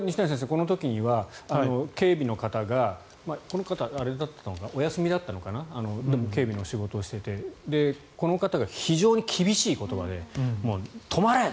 この時には警備の方がこの方はお休みだったのかな警備の仕事をしていてこの方が非常に厳しい言葉でもう止まれ！